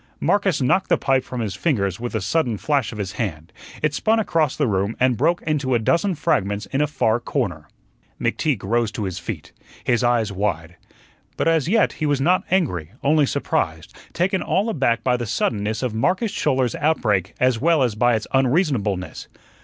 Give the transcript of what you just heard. Marcus knocked the pipe from his fingers with a sudden flash of his hand; it spun across the room and broke into a dozen fragments in a far corner. McTeague rose to his feet, his eyes wide. But as yet he was not angry, only surprised, taken all aback by the suddenness of Marcus Schouler's outbreak as well as by its unreasonableness.